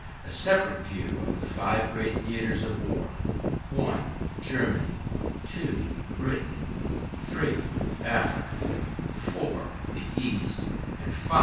A separate view of the five great theatres of war; I. Germany; II. Britain; III. Africa; IV. The East; and, V.